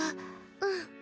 うん。